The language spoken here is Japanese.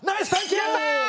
やった！